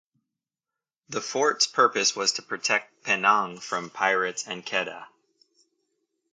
The fort's purpose was to protect Penang from pirates and Kedah.